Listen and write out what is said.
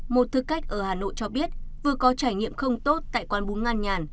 một thực khách ở hà nội cho biết vừa có trải nghiệm không tốt tại quán bún ngan nhàn